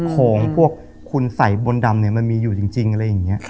ของพวกคุณใส่บนดำเนี่ยมันมีอยู่จริงอะไรอย่างนี้